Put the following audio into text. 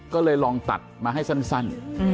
ก็เลยลองตัดมาให้สั้น